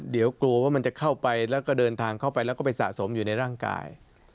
เดี๋ยวกลัวว่ามันจะเข้าไปแล้วก็เดินทางเข้าไปแล้วก็ไปสะสมอยู่ในร่างกาย